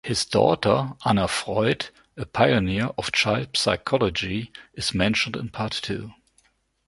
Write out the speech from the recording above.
His daughter Anna Freud, a pioneer of child psychology, is mentioned in part two.